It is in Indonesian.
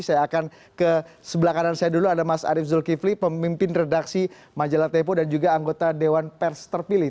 saya akan ke sebelah kanan saya dulu ada mas arief zulkifli pemimpin redaksi majalah tempo dan juga anggota dewan pers terpilih